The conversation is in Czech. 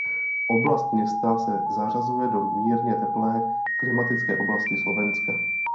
Oblast města se zařazuje do mírně teplé klimatické oblasti Slovenska.